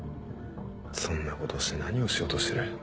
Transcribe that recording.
そんなことして何をしようとしてる。